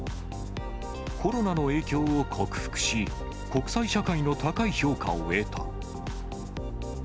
コロナの影響を克服し、国際社会の高い評価を得た。